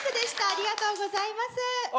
ありがとうございます。